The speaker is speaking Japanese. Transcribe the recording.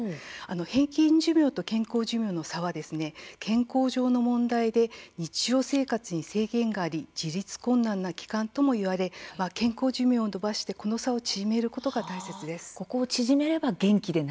平均寿命と健康寿命の差は健康上の問題で日常生活に制限があり自立困難な期間ともいわれ健康寿命を延ばしてこの差を縮めることが大切です。